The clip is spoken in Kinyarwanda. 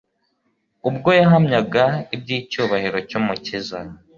Ubwo yahamyaga iby’icyubahiro cy’Umukiza,